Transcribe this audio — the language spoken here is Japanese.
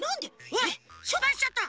うわっしっぱいしちゃった。